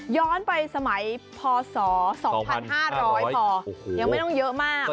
ย้อนไปสมัยพศ๒๕๐๐พอยังไม่ต้องเยอะมาก